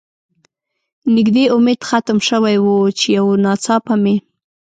نږدې امید ختم شوی و، چې یو ناڅاپه مې.